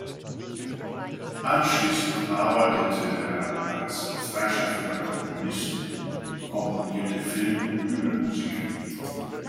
Anschließend arbeitete er als freischaffender Komponist, komponierte Film- und Bühnenmusik.